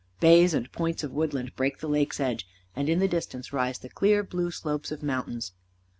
Bays and points of woodland break the Lake's edge, and in the distance rise the clear blue slopes of mountains.